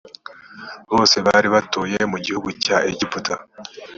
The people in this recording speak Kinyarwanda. bose bari batuye mu gihugu cya egiputa